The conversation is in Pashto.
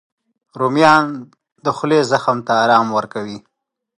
رومیان د خولې زخم ته ارام ورکوي